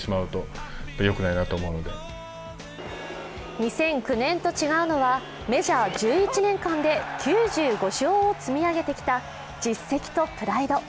２００９年と違うのはメジャー１１年間で９５勝を積み上げてきた実績とプライド。